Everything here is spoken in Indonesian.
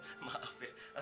awaits menang kanighet leluhur